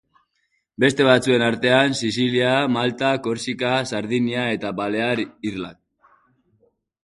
Beste batzuen artean Sizilia, Malta, Korsika, Sardinia eta Balear irlak.